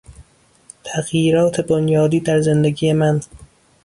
تغییرات بنیادی در زندگی من